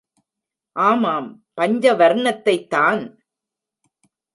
ஆமாம் பஞ்சவர்ணத்தைத் தான்!...